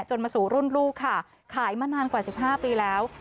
มาสู่รุ่นลูกค่ะขายมานานกว่า๑๕ปีแล้ว